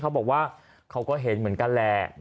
เขาบอกว่าเขาก็เห็นเหมือนกันแหละ